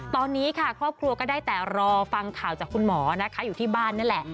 ตอนนี้ค่ะครอบครัวก็ได้แต่รอฟังข่าวจากคุณหมอนะคะอยู่ที่บ้านนั่นแหละ